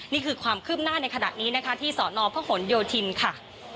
นี่คือความคืบหน้าในขณะนี้ที่สนพโยธินทร์ค่ะ